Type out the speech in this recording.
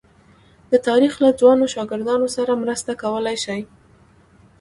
د تاریخ له ځوانو شاګردانو سره مرسته کولای شي.